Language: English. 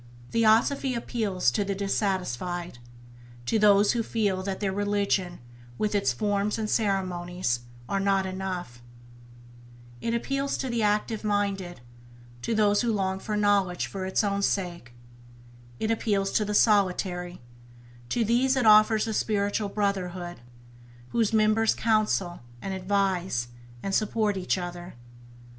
Theosophy appeals to the dissatisfied, to those who feel that their religion, with its forms and ceremonies, is not enough; it appeals to the active minded, to those who long for knowledge for its own sake; it appeals to the solitary, to these it offers a spiritual Brotherhood, whose members counsel, and advise, and support each other.